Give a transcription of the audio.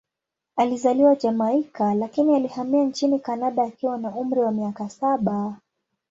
Alizaliwa Jamaika, lakini alihamia nchini Kanada akiwa na umri wa miaka saba.